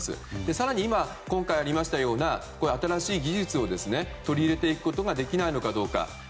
更に今、今回あったような新しい技術を取り入れていくことができないのかどうか。